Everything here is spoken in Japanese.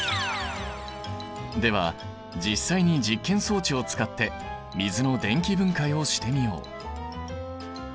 では実際に実験装置を使って水の電気分解をしてみよう。